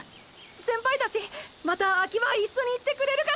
先輩たちまたアキバ一緒に行ってくれるかな